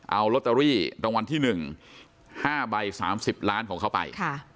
เอาลอตเตอรี่รางวัลที่๑๕ใบ๓๐ล้านของเขาไป